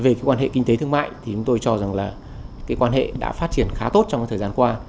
về quan hệ kinh tế thương mại thì chúng tôi cho rằng là cái quan hệ đã phát triển khá tốt trong thời gian qua